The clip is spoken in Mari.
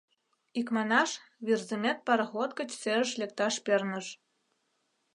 — Икманаш, Вӱрзымет пароход гыч серыш лекташ перныш.